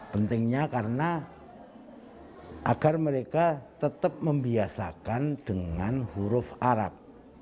pentingnya karena agar mereka tetap membiasakan dengan huruf arab